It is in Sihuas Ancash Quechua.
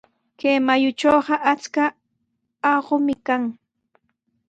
Kay mayutrawqa achka aqumi kan.